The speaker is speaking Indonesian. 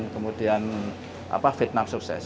kemudian vietnam sukses